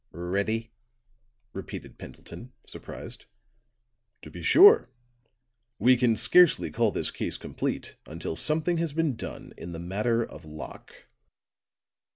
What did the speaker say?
"Ready?" repeated Pendleton, surprised. "To be sure. We can scarcely call this case complete until something has been done in the matter of Locke."